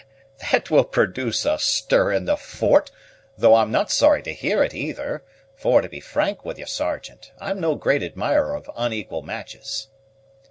That will produce a stir in the fort; though I'm not sorry to hear it either, for, to be frank with you, Sergeant, I'm no great admirer of unequal matches."